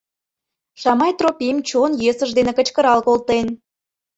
— Шамай Тропим чон йӧсыж дене кычкырал колтен.